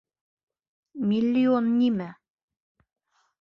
Миллион нимә?